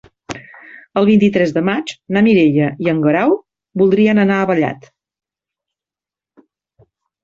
El vint-i-tres de maig na Mireia i en Guerau voldrien anar a Vallat.